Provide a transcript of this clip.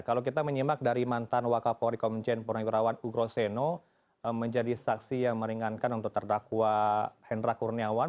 kalau kita menyimak dari mantan wakafo rikomjen purnagirawan ugro seno menjadi saksi yang meringankan untuk terdakwa hendra kurniawan